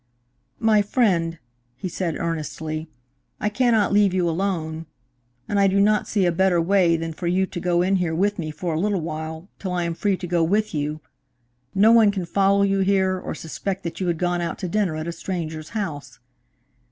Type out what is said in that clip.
"My friend," he said earnestly, "I cannot leave you alone, and I do not see a better way than for you to go in here with me for a little while, till I am free to go with you. No one can follow you here, or suspect that you had gone out to dinner at a stranger's house.